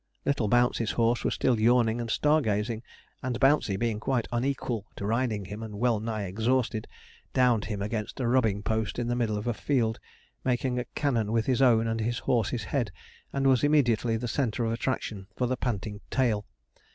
Little Bouncey's horse was still yawning and star gazing, and Bouncey, being quite unequal to riding him and well nigh exhausted, 'downed' him against a rubbing post in the middle of a field, making a 'cannon' with his own and his horse's head, and was immediately the centre of attraction for the panting tail.